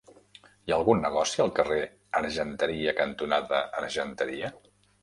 Hi ha algun negoci al carrer Argenteria cantonada Argenteria?